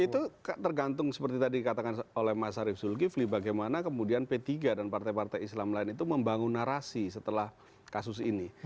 itu tergantung seperti tadi katakan oleh mas arief zulkifli bagaimana kemudian p tiga dan partai partai islam lain itu membangun narasi setelah kasus ini